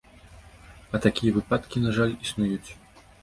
А такія выпадкі, на жаль, існуюць.